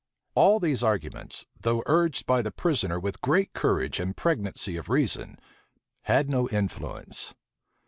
All these arguments, though urged by the prisoner with great courage and pregnancy of reason, had no influence.